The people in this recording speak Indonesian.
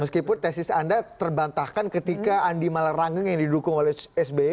meskipun tesis anda terbantahkan ketika andi malarangeng yang didukung oleh sby